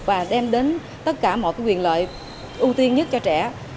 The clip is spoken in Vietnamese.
và đem đến tất cả mọi quyền lợi ưu tiên nhất cho trẻ